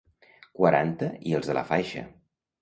Quaranta i els de la faixa.